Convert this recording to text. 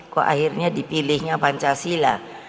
kok akhirnya dipilihnya pancasila